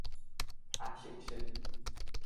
พระฉึกฉึก